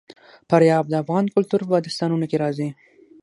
فاریاب د افغان کلتور په داستانونو کې راځي.